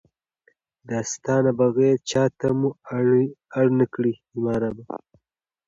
دا ستا نه بغیر چاته مو اړ نکړې زما ربه!